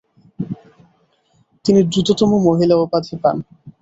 তিনি দ্রুততম মহিলা উপাধি পান।